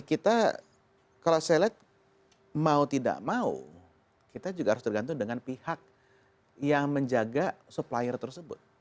kita kalau saya lihat mau tidak mau kita juga harus tergantung dengan pihak yang menjaga supplier tersebut